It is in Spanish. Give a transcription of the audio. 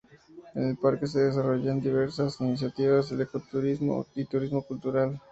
En el parque se desarrollan diversas iniciativas de eco-turismo y turismo cultural.